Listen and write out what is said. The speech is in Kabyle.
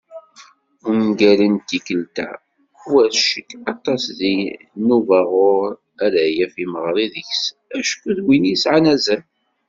Ungal n tikkelt-a, war ccek, aṭas diɣ n ubaɣur ara yaf yimeɣri deg-s, acku d win yesɛan azal.